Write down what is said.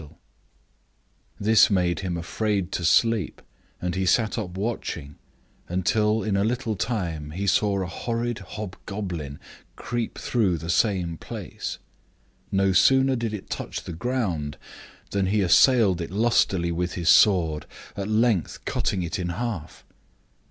E 50 STRANGE STORIES afraid to sleep, and he sat up watching, until in a little time he saw a horrid hobgoblin creep through the same place. No sooner did it touch the ground than he assailed it lustily with his sword, at length cutting it in half.